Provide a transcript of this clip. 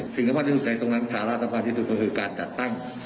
สิ่งที่ผมคิดใจตรงนั้นค่ะรัฐบาลที่สุดคือการจัดตั้ง